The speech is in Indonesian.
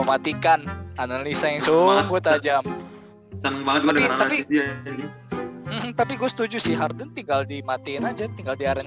matikan analisa yang sungguh tajam tapi gue setuju sih tinggal dimatiin aja tinggal diaren